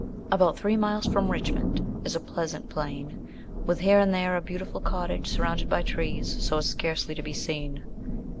ABOUT three miles from Richmond is a pleasant plain, with here and there a beautiful cottage surrounded by trees so as scarcely to be seen.